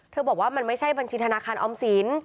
บอกว่ามันไม่ใช่บัญชีธนาคารออมสิน